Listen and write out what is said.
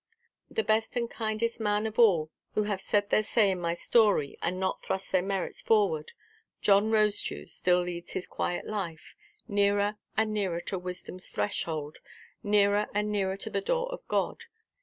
The best and kindest man of all who have said their say in my story, and not thrust their merits forward, John Rosedew, still leads his quiet life, nearer and nearer to wisdomʼs threshold, nearer and nearer to the door of God.